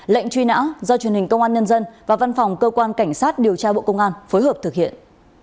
lệnh truy nã do truyền hình công an nhân dân và văn phòng cơ quan cảnh sát điều tra bộ công an phối hợp thực hiện